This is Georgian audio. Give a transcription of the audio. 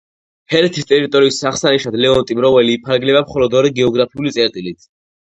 ჰერეთის ტერიტორიის აღსანიშნად ლეონტი მროველი იფარგლება მხოლოდ ორი გეოგრაფიული წერტილით.